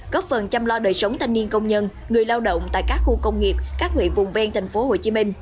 góp phần chăm lo đời sống thanh niên công nhân người lao động tại các khu công nghiệp các nguyện vùng ven tp hcm